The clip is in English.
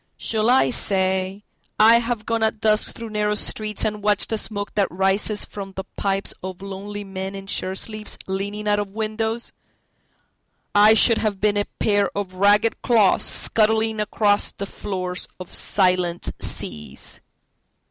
……..Shall I say, I have gone at dusk through narrow streetsAnd watched the smoke that rises from the pipesOf lonely men in shirt sleeves, leaning out of windows?…I should have been a pair of ragged clawsScuttling across the floors of silent seas.